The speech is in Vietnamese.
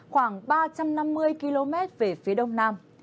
khoảng ba trăm năm mươi km về phía đông nam